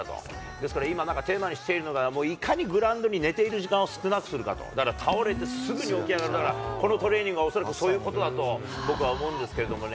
ですから今、なんかテーマにしているのがいかにグラウンドに寝ている時間を少なくするかと、だから倒れてすぐに起き上がる、だからこのトレーニング、恐らくそういうことだと僕は思うんですけれどもね。